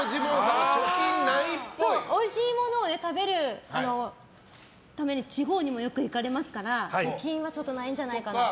おいしいものを食べるために地方にもよく行かれますから貯金はないんじゃないかなって。